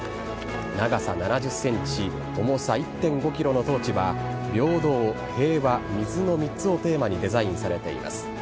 長さ７０ｃｍ重さ１．５ｋｇのトーチは平等、平和、水の３つをテーマにデザインされています。